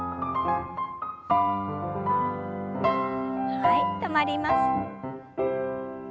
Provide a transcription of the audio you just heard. はい止まります。